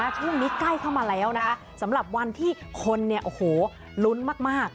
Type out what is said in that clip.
ช่วงนี้ใกล้เข้ามาแล้วนะสำหรับวันที่คนเนี่ยโอ้โหลุ้นมาก